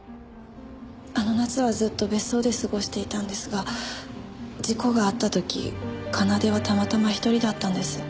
あの夏はずっと別荘で過ごしていたんですが事故があった時奏はたまたま１人だったんです。